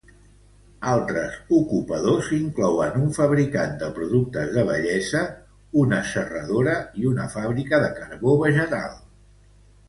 Altres ocupadors inclouen un fabricant de productes de bellesa, una serradora i una fàbrica de carbó vegetal.